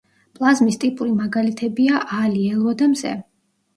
პლაზმის ტიპური მაგალითებია ალი, ელვა და მზე.